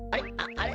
あれ？